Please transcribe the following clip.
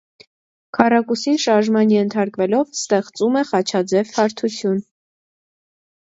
Քառակուսին շարժման ենթարկելով ստեղծում է խաչաձև հարթություն։